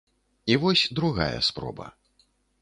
І вось другая спроба.